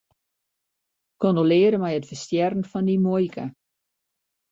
Kondolearre mei it ferstjerren fan dyn muoike.